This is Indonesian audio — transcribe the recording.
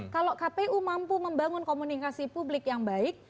kalau kpu mampu membangun komunikasi publik yang baik